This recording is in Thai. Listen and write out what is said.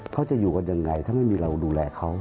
เขาจะอยู่กันยังไงถ้าไม่มีเราดูแลเขา